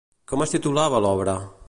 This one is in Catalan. Com es titulava l'obra?